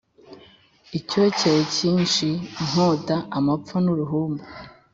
icyokere cyinshi, inkota, amapfa n’uruhumbu